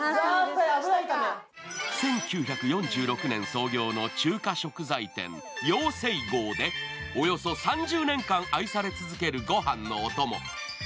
１９４６年創業の中華食材店、耀盛號でおよそ３０年間愛され続けるごはんのおとも。